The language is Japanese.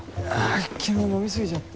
昨日飲み過ぎちゃって。